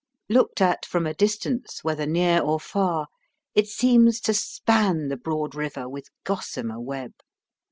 Looked at from a distance, whether near or far, it seems to span the broad river with gossamer web.